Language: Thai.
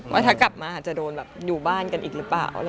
ว่าถ้ากลับมาจะโดนแบบอยู่บ้านกันอีกหรือเปล่า